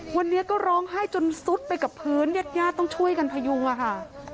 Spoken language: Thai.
วันนี้ก็ร้องไห้จนซุดไปกับพื้นญาติญาติต้องช่วยกันพยุงอะค่ะ